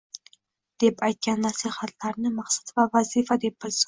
– deb aytgan nasihatlarini maqsad va vazifa deb bilsin.